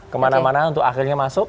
kemana mana untuk akhirnya masuk